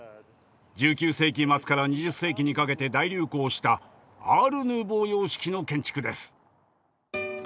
１９世紀末から２０世紀にかけて大流行した「アール・ヌーボー様式」の建築です。